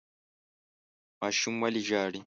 ماشوم ولې ژاړي ؟